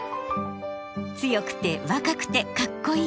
強くて若くてかっこいい。